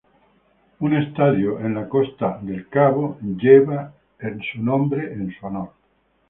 Un estadio en Cape Coast fue nombrado en su honor.